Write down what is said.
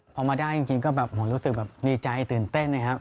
พอมาได้จริงก็แบบรู้สึกแบบดีใจตื่นเต้นนะครับ